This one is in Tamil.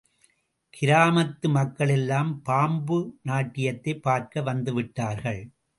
கிராமத்து மக்களெல்லாம் பாம்பு நாட்டியத்தைப் பார்க்க வந்துவிட்டார்கள்.